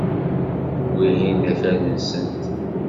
Wihin d akal-nsent.